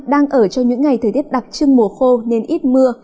đang ở trong những ngày thời tiết đặc trưng mùa khô nên ít mưa